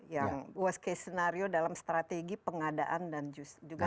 yang worst case scenario dalam strategi pengadaan dan juga